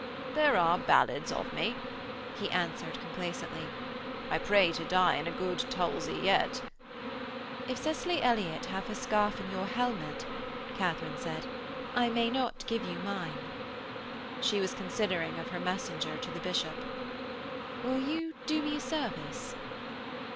'There are ballads of me,' he answered complacently. 'I pray to die in a good tulzie yet.' 'If Cicely Elliott have her scarf in your helmet,' Katharine said, 'I may not give you mine.' She was considering of her messenger to the bishop. 'Will you do me a service?'